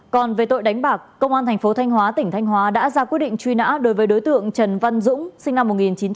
còn về tội đánh bạc công an thành phố thanh hóa tỉnh thanh hóa đã ra quyết định truy nã đối với đối tượng trần văn dũng sinh năm một nghìn chín trăm chín mươi